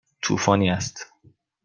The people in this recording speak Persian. طوفانی است.